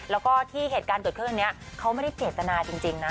แล้วก็ที่เหตุการณ์เกิดขึ้นอันนี้เขาไม่ได้เจตนาจริงนะ